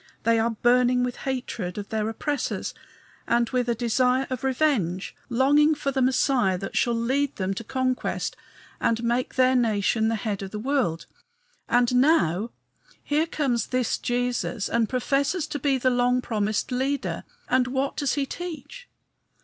They are burning with hatred of their oppressors and with a desire of revenge, longing for the Messiah that shall lead them to conquest and make their nation the head of the world. And now, here comes this Jesus and professes to be the long promised leader; and what does he teach?